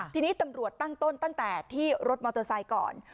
ทีนี้ตำรวจตั้งต้นตั้งแต่ที่รถมอเตอร์ไซค์ก่อน